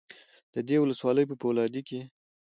د دې ولسوالۍ په فولادي کې